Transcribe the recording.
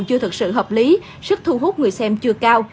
chưa thật sự hợp lý sức thu hút người xem chưa cao